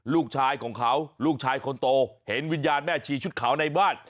ลูกชายของเขาลูกชายคนโตเห็นวิญญาณแม่ชีชุดขาวในบ้าน